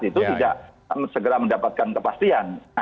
itu tidak segera mendapatkan kepastian